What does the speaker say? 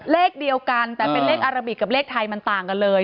เลขเดียวกันแต่เป็นเลขอาราบิกกับเลขไทยมันต่างกันเลย